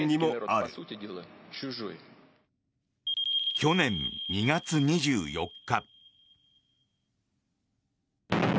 去年２月２４日。